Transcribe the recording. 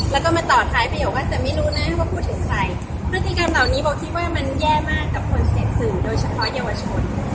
แล้วก็มาต่อท้ายประโยคว่าแต่ไม่รู้นะว่าพูดถึงใครพฤติกรรมเหล่านี้โบคิดว่ามันแย่มากกับคนเสพสื่อโดยเฉพาะเยาวชน